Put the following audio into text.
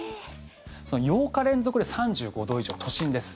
８日連続で３５度以上都心です。